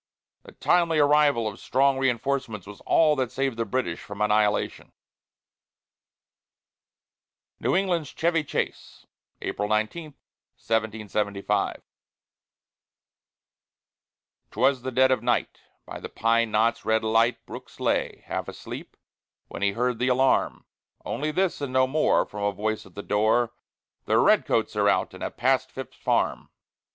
The timely arrival of strong reinforcements was all that saved the British from annihilation. NEW ENGLAND'S CHEVY CHASE [April 19, 1775] 'Twas the dead of the night. By the pine knot's red light Brooks lay, half asleep, when he heard the alarm, Only this, and no more, from a voice at the door: "The Red Coats are out, and have passed Phips's farm."